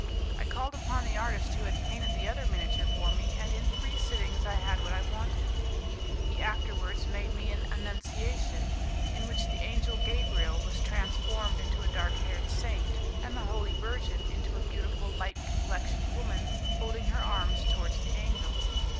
I called upon the artist who had painted the other miniature for me, and in three sittings I had what I wanted. He afterwards made me an Annunciation, in which the angel Gabriel was transformed into a dark haired saint, and the Holy Virgin into a beautiful, light complexioned woman holding her arms towards the angel.